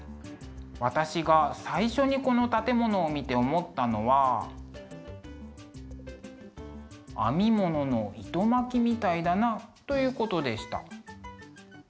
私が最初にこの建物を見て思ったのは編み物の糸巻きみたいだなということでした。